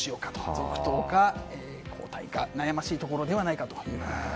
続投か交代か悩ましいところではないかというところです。